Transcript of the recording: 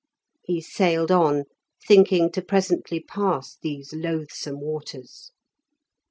He sailed on, thinking to presently pass these loathsome waters.